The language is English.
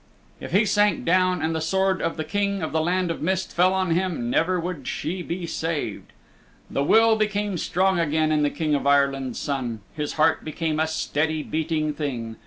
If he sank down and the sword of the King of the Land of Mist fell on him, never would she be saved. The will became strong again in the King of Ireland's Son. His heart became a steady beating thing.